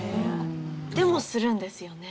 でもするんですよね。